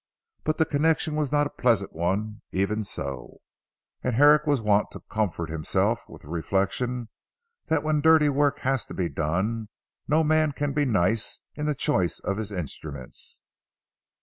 But the connection was not a pleasant one, even so, and Herrick was wont to comfort himself with the reflection that when dirty work has to be done, no man can be nice in the choice of his instruments.